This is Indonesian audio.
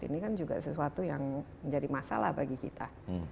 ini kan juga sesuatu yang menjadi masalah bagi kita